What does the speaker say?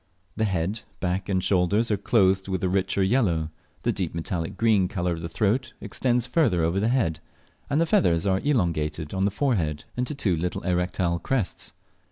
The head, back, and shoulders are clothed with a richer yellow, the deep metallic green colour of the throat extends further over the head, and the feathers are elongated on the forehead into two little erectile crests.